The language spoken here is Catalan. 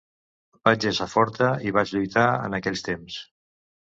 Vaig ésser forta i vaig lluitar en aquells temps.